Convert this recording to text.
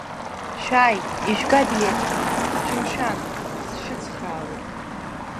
Шәааи, ижәга ибилеҭқәа, шәымшәан, сшәыцхраауеит.